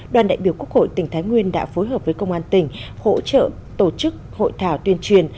đoàn đại biểu quốc hội tỉnh thái nguyên đã phối hợp với công an tỉnh hỗ trợ tổ chức hội thảo tuyên truyền